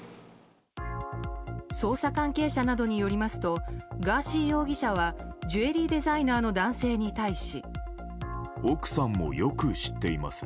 捜査関係者などによりますとガーシー容疑者はジュエリーデザイナーの男性に対し。